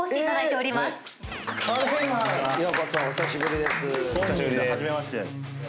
お久しぶりです。